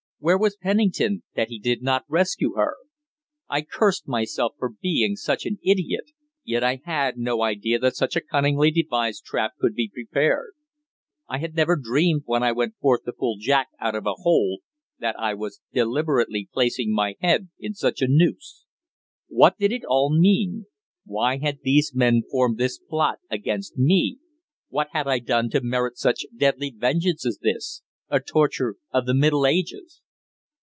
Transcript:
Where was Pennington, that he did not rescue her? I cursed myself for being such an idiot. Yet I had no idea that such a cunningly devised trap could be prepared. I had never dreamed, when I went forth to pull Jack out of a hole, that I was deliberately placing my head in such a noose. What did it all mean? Why had these men formed this plot against me? What had I done to merit such deadly vengeance as this? a torture of the Middle Ages!